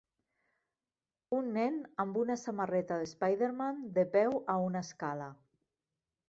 Un nen amb una samarreta d'Spider-Man de peu a una escala.